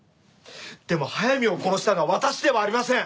でも速水を殺したのは私ではありません！